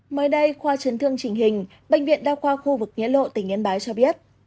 mới đây khoa chấn thương chỉnh hình bệnh viện đa khoa khu vực nghĩa lộ tỉnh yên bái cho biết